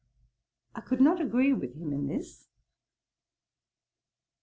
I could not agree with him in this.